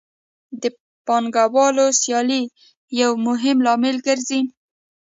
د پانګوالو سیالي یو مهم لامل ګرځي